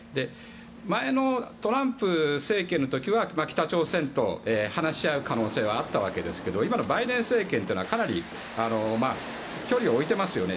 前のトランプ政権の時は北朝鮮と話し合う可能性はあったわけですが今のバイデン政権というのはかなり距離を置いてますよね。